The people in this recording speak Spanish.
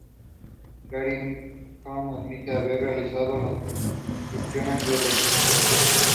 Gary McKinnon admite haber realizado las intrusiones de las que se le acusa.